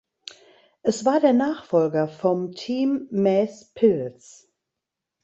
Es war der Nachfolger vom Team Maes Pils.